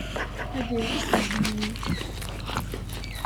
Ad iruḥ Mhenni.